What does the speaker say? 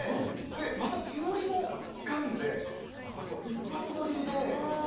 また血のりも使うんで一発撮りで。